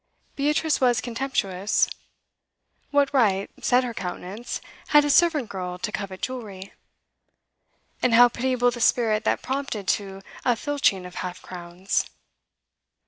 Beatrice was contemptuous. What right, said her countenance, had a servant girl to covet jewellery? And how pitiable the spirit that prompted to a filching of half crowns!